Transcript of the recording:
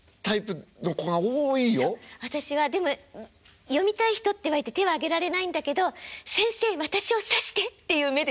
私はでも「読みたい人」って言われて手は挙げられないんだけど「先生私を指して」っていう目で見てたの。